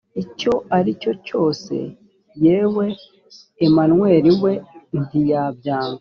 icyo aricyo cyose yewe emanweli we ntiyabyanga